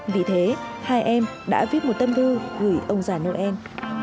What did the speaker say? vì thế hai em đã viết một tâm thư gửi ông già noel